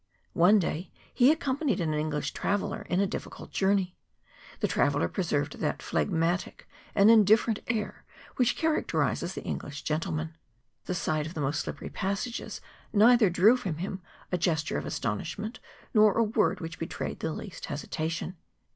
Cne day he accompanied an English traveller in a a difficult journey. The traveller preserved that phlegmatic and indifferent air which characterises the English gentleman. The sight of the most slippery passages neither drew from him a gesture of astonishment, nor a word which betrayed the least hesitation.